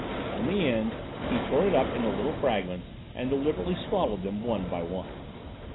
In the end, he tore it up into little fragments and deliberately swallowed them, one by one.